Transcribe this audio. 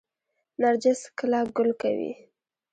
نرجس کله ګل کوي؟